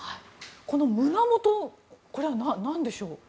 この胸元これは何でしょう？